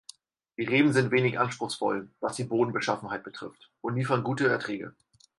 Die Reben sind wenig anspruchsvoll, was die Bodenbeschaffenheit betrifft, und liefern gute Erträge.